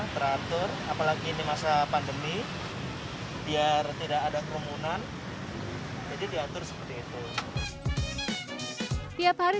teratur apalagi di masa pandemi biar tidak ada kerumunan jadi diatur seperti itu tiap hari